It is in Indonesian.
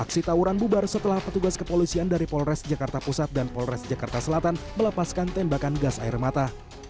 aksi tawuran bubar setelah petugas kepolisian dari polres jakarta pusat dan polres jakarta selatan melepaskan tembakan gas air mata